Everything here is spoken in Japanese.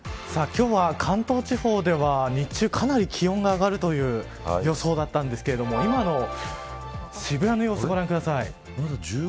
今日は関東地方では日中かなり気温が上がるという予想だったんですけれども今の渋谷の様子、ご覧ください。